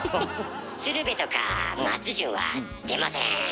鶴瓶とか松潤は出ません。